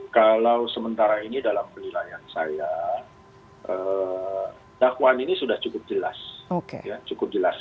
kalau sementara ini dalam penilaian saya dakwaan ini sudah cukup jelas